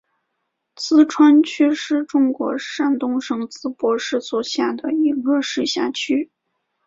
淄川区是中国山东省淄博市所辖的一个市辖区。